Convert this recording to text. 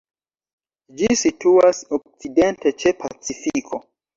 Ĝi situas okcidente ĉe Pacifiko.